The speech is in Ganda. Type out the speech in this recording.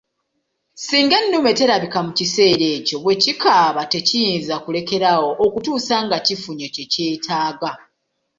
Singa ennume terabika mu kiseera ekyo bwekikaaba tekiyinza kulekeraawo okutuusa nga kifunye kye kyetaaga.